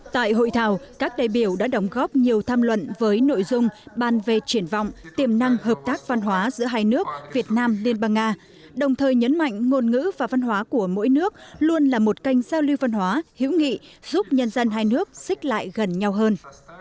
tại hội thảo các đại biểu đã đóng góp nhiều tham luận với nội dung bàn về triển vọng tiềm năng hợp tác văn hóa giữa hai nước việt nam liên bang nga đồng thời nhấn mạnh ngôn ngữ và văn hóa của mỗi nước luôn là một kênh giao lưu văn hóa hữu nghị giúp nhân dân hai nước xích lại gần nhau hơn